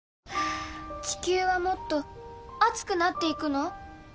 地球はもっと熱くなっていくの？